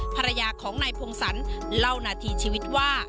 ภรรยาของนายพงศรเล่านาทีชีวิตว่า